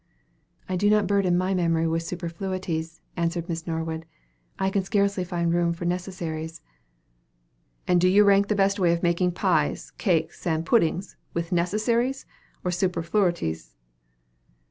"I do not burden my memory with superfluities," answered Miss Norwood. "I can scarcely find room for necessaries." "And do you rank the best way of making pies, cakes, and puddings, with necessaries or superfluities?"